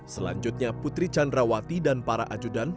selanjutnya putri candrawati dan para ajudan